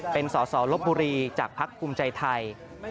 เป็นสสลบบุรีจากพักภูมิใจไทย